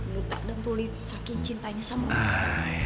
getok dan tuli saking cintanya sama mas